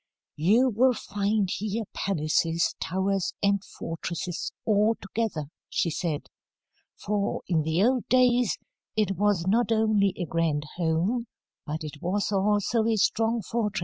'You will find here palaces, towers, and fortresses, all together,' she said. 'For, in the old days, it was not only a grand home, but it was also a strong fortress.'"